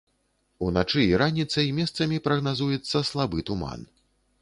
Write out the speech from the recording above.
Уначы і раніцай месцамі прагназуецца слабы туман.